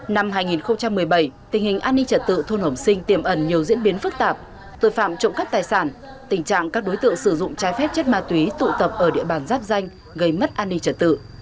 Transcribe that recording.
năm hai nghìn một mươi bảy tình hình an ninh trật tự thôn hồng sinh tiềm ẩn nhiều diễn biến phức tạp tội phạm trộm cắp tài sản tình trạng các đối tượng sử dụng trái phép chất ma túy tụ tập ở địa bàn giáp danh gây mất an ninh trật tự